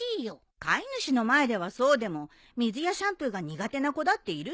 飼い主の前ではそうでも水やシャンプーが苦手な子だっているし。